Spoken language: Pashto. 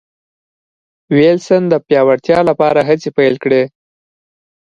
وېلسن د پیاوړتیا لپاره هڅې پیل کړې.